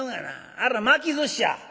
あら巻き寿司や」。